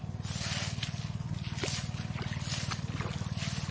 ทุกวันใหม่ทุกวันใหม่